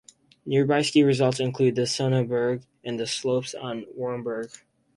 Nearby ski resorts include the Sonnenberg and the slopes on the Wurmberg.